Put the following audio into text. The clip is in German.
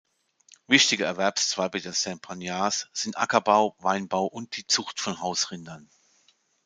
Wichtige Erwerbszweige der Saint-Pagnards sind Ackerbau, Weinbau und die Zucht von Hausrindern.